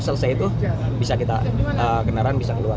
selesai itu bisa kita kendaraan bisa keluar